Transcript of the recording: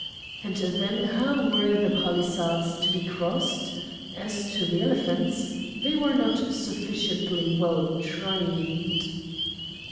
And then how were the palisades to be crossed? As to the elephants, they were not sufficiently well trained.